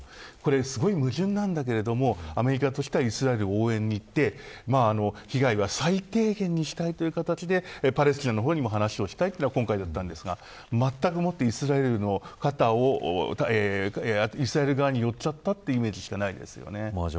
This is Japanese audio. これすごい矛盾なんだけれどもアメリカとしてはイスラエルの応援に行って被害は最低限にしたいという形でパレスチナの方にも話をしたいというのは今回、言ったんですがまったくもってイスラエルの肩をイスラエル側に寄っちゃったというイメージしかないですね。